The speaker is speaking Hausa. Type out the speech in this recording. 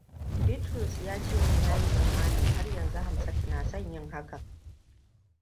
Bitrus ya ce min ya yi tsammanin har yanzu Hamsatu na son yin hakan.